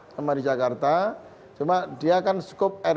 sama di jakarta cuma dia kan cukup rt